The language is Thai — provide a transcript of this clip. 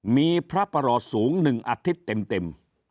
มีพระปรสูงหนึ่งอาทิตย์เต็ม